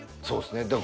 そうですね。